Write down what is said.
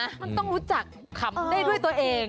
มันต้องรู้จักขำได้ด้วยตัวเอง